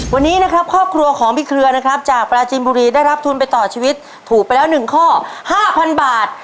วันนี้นะครับครอบครัวของพี่เครือนะครับจากปราจินบุรีได้รับทุนไปต่อชีวิตถูกไปแล้ว๑ข้อ๕๐๐บาท